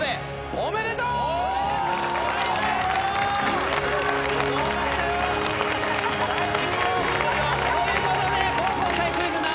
おめでとう！ということで高校生クイズ何問目？